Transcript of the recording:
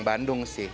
yang bandung sih